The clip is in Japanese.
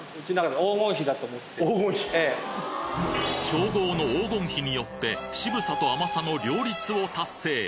調合の黄金比によって渋さと甘さの両立を達成